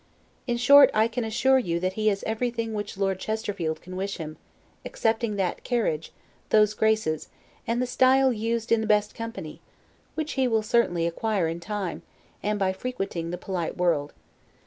In short, I can assure you, that he has everything which Lord Chesterfield can wish him, excepting that carriage, those graces, and the style used in the best company; which he will certainly acquire in time, and by frequenting the polite world.